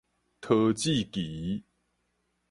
桃志其